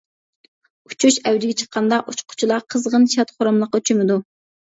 ئۇچۇش ئەۋجىگە چىققاندا، ئۇچقۇچىلار قىزغىن شاد-خۇراملىققا چۆمىدۇ.